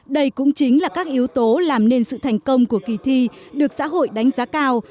đây cũng chính là các yếu tố làm nên sự thành công của kỳ thi được xã hội đánh giá cao